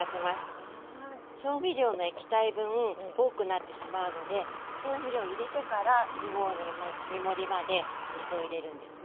調味料の液体分多くなってしまうので調味料を入れてから２合の目盛りまで水を入れるんですね。